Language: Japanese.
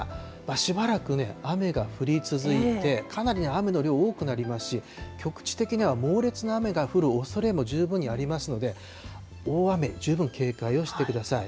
しばらくね、雨が降り続いて、かなり雨の量、多くなりますし、局地的には猛烈な雨が降るおそれも十分にありますので、大雨、十分警戒をしてください。